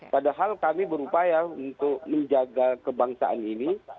padahal kami berupaya untuk menjaga kebangsaan ini